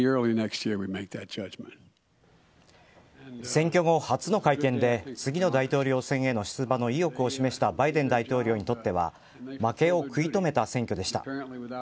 選挙後初の会見で次の大統領選への出馬の意欲を示したバイデン大統領にとっては負けを食い止めた選挙でした。